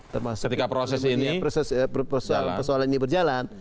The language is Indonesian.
ketika proses ini berjalan